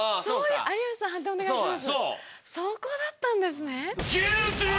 そこだったんですね。